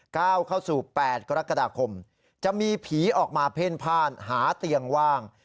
ก้าวเข้าสู่๘กรกฎาคมจะมีผีออกมาเพ่นพ่านหาเตียงว่าง